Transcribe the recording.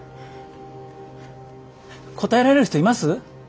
答えられる人います？